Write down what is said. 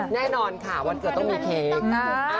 แน่นอนค่ะวันเกิดต้องมีเค้ก